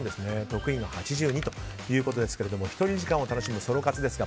得意が８２ということですけど１人時間を楽しむソロ活ですが